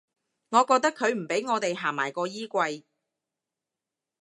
我覺得佢唔畀我地行埋個衣櫃